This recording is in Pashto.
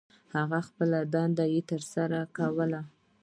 خپله دنده یې تر سرہ کوله.